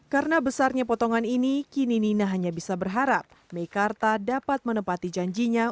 karena besarnya potongan ini kini nina hanya bisa berharap meikarta dapat menepati janjinya